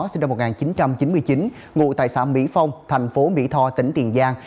sinh năm một nghìn chín trăm chín mươi chín ngụ tại xã mỹ phong tp mỹ tho tp tiền giang